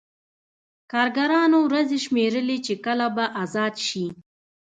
کارګرانو ورځې شمېرلې چې کله به ازاد شي